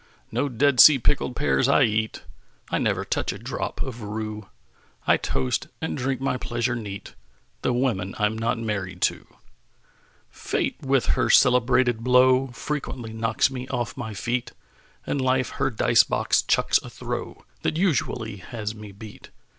No Dead Sea pickled pears I eat; I never touch a drop of rue; I toast, and drink my pleasure neat, The women I'm not married to! Fate with her celebrated blow Frequently knocks me off my feet; And Life her dice box chucks a throw That usually has me beat.